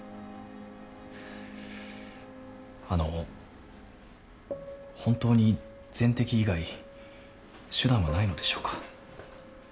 あの本当に全摘以外手段はないのでしょうか？